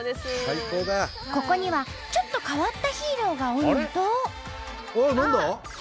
ここにはちょっと変わったヒーローがおるんと。